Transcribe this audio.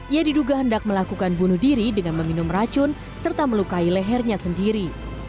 ia diduga hendak melakukan bunuh diri dengan meminum racun serta melukai lehernya sendiri